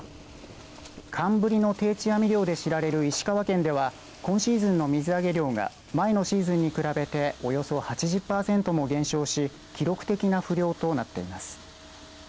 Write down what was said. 寒ブリの定置網漁で知られる石川県では今シーズンの水揚げ量が前のシーズンに比べておよそ８０パーセントも減少し記録的な不漁となっています。